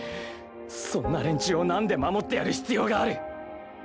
そんな連中を何で守ってやる必要がある。